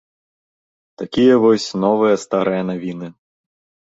Такія вось новыя старыя навіны.